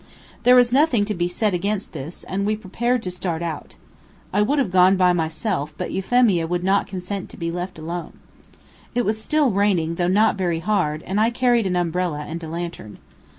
There was nothing to be said against this, and we prepared to start out. I would have gone by myself, but Euphemia would not consent to be left alone. It was still raining, though not very hard, and I carried an umbrella and a lantern.